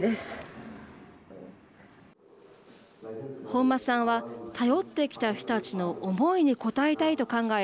本間さんは頼ってきた人たちの思いに応えたいと考え